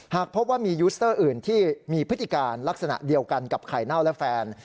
หากพบว่ามียูสเตอร์อื่นที่มีพฤติการลักษณะเดียวกันกับไข่เน่าและแฟน